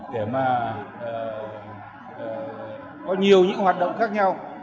để mà có nhiều những hoạt động khác nhau